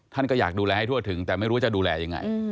ท่านก็อยากดูแลให้ทั่วถึงแต่ไม่รู้ว่าจะดูแลยังไง